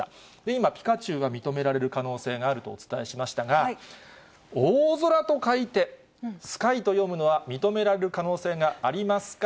今、ぴかちゅうが認められる可能性があるとお伝えしましたが、大空と書いてすかいと読むのは認められる可能性がありますか？